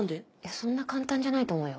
そんな簡単じゃないと思うよ。